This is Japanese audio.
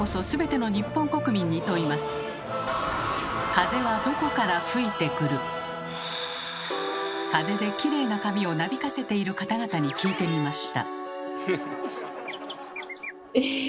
風できれいな髪をなびかせている方々に聞いてみました。